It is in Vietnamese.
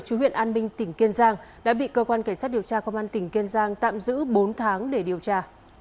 chú huyện an minh tỉnh kiên giang đã bị cơ quan cảnh sát điều tra công an tỉnh kiên giang tạm giữ bốn tháng để điều tra